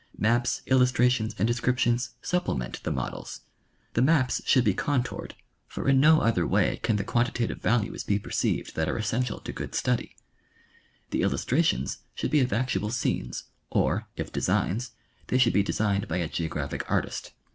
Maps, illus trations and descriptions supplement the models. The maps should be contoured, for in no other way can the quantitative 24: National Geographic Magazine. values be perceived that are essential to good study. The illus trations should he of actual scenes; or, if designs, they should be designed by a geographic artist.